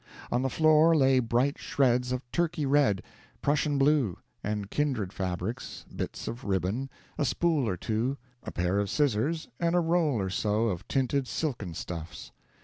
On the floor lay bright shreds of Turkey red, Prussian blue, and kindred fabrics, bits of ribbon, a spool or two, a pair of scissors, and a roll or so of tinted silken stuffs.